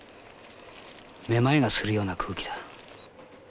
めまいがするような空気だ。